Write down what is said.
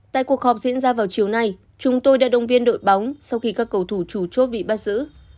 tại cuộc họp diễn ra vào chiều nay chúng tôi đã động viên đội bóng sau khi các cầu thủ chủ chốt bị bắt giữ